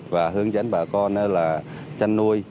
và hướng dẫn bà con là chăn nuôi